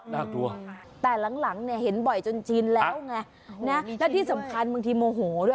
น่ากลัวแต่หลังเนี่ยเห็นบ่อยจนจีนแล้วไงนะและที่สำคัญบางทีโมโหด้วย